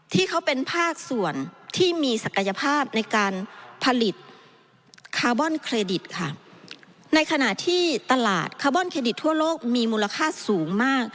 ที่เขาเป็นภาคส่วนที่มีศักยภาพในการผลิตคาร์บอนเครดิตค่ะในขณะที่ตลาดคาร์บอนเครดิตทั่วโลกมีมูลค่าสูงมาก